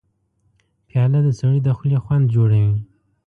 پیاله د سړي د خولې خوند جوړوي.